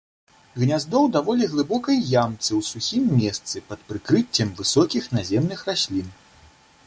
Гняздо ў даволі глыбокай ямцы ў сухім месцы пад прыкрыццем высокіх наземных раслін.